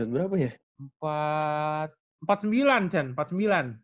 empat sembilan cun empat sembilan